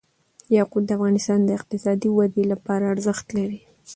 یاقوت د افغانستان د اقتصادي ودې لپاره ارزښت لري.